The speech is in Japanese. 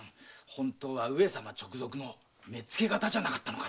本当は上様直属の目付方じゃなかったのかなあ？